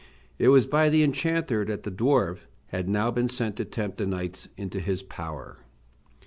It was by the enchanter that the dwarf had now been sent to tempt the knights into his power.